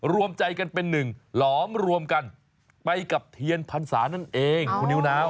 รวมใจกันเป็นหนึ่งหลอมรวมกันไปกับเทียนพรรษานั่นเองคุณนิวนาว